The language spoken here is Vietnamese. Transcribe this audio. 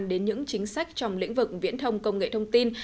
đến những chính sách trong lĩnh vực viễn thông công nghệ thông tin